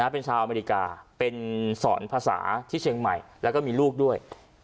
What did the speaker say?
เป็นชาวอเมริกาเป็นสอนภาษาที่เชียงใหม่แล้วก็มีลูกด้วย